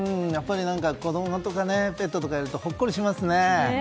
子供とかペットとかいるとほっこりしますね。